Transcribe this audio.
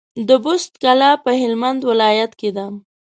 د بُست کلا په هلمند ولايت کي ده